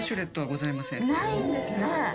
ないんですね。